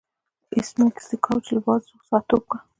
ایس میکس د کوچ له بازو څخه ټوپ کړ